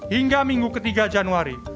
hingga minggu ketiga januari